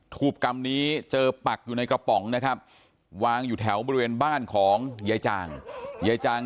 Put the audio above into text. ถูกกรรมนี้เจอปักอยู่ในกระป๋องนะครับวางอยู่แถวบริเวณบ้านของยายจางยายจาง